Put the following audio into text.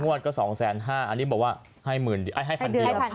๑๐งวดก็๒๕๐๐๐๐บาทอันนี้บอกว่าให้๑๐๐๐บาท